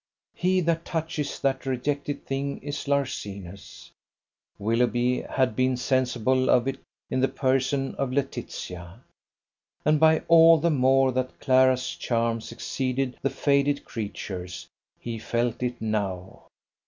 He that touches that rejected thing is larcenous. Willoughby had been sensible of it in the person of Laetitia: and by all the more that Clara's charms exceeded the faded creature's, he felt it now.